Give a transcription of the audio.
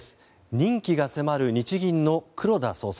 人気が迫る日銀の黒田総裁。